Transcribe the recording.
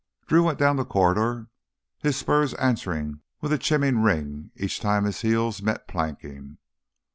Drew went down the corridor, his spurs answering with a chiming ring each time his heels met planking.